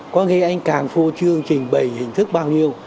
có nghĩa là anh càng phô trương trình bày hình thức bao nhiêu